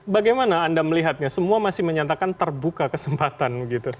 bagaimana anda melihatnya semua masih menyatakan terbuka kesempatan